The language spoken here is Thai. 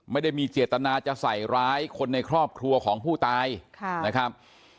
ไม่ได้มีเจตนาจะใส่ร้ายคนในครอบครัวของผู้ตายนะครับ